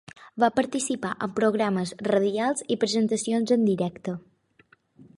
Va participar en programes radials i presentacions en directe.